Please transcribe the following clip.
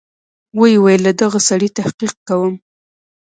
ويې ويل له دغه سړي تحقيق کوم.